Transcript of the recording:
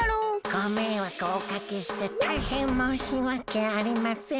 ごめいわくをおかけしてたいへんもうしわけありません。